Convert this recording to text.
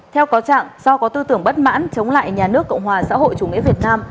theo cáo trạng do có tư tưởng bất mãn chống lại nhà nước cộng hòa xã hội chủ nghĩa việt nam